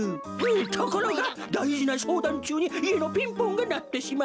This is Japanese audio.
「ところがだいじなしょうだんちゅうにいえのピンポンがなってしまい」。